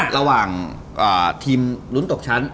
ระหว่างทีมลุ้นตกชั้น